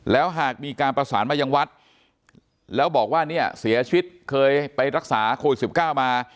แล้วหากมีการประสานมายังวัดแล้วบอกว่าเนี่ยเสียชีวิตเคยไปรักษาโควิด๑๙มา